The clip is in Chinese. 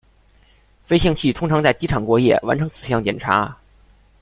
飞行器通常在机场过夜完成此项检查。